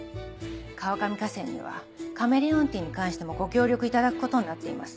川上化成にはカメレオンティーに関してもご協力いただくことになっています。